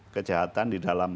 kejahatan di dalam